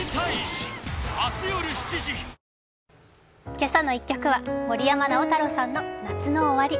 「けさの１曲」は森山直太朗さんの「夏の終わり」。